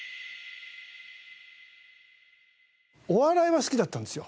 お笑いは好きだったんですよ。